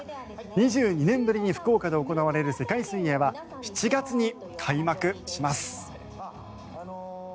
２２年ぶりに福岡で行われる世界水泳は７月に開幕します。